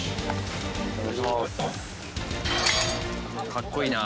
かっこいいな。